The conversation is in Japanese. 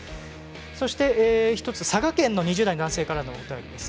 そして、佐賀県の２０代男性からのお便りです。